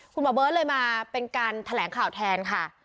หมอเบิร์ตเลยมาเป็นการแถลงข่าวแทนค่ะ